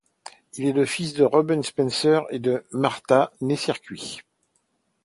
Il est le fils de Reuben Spencer et de Martha née Circuit.